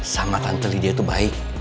sama tante dia itu baik